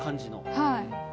はい。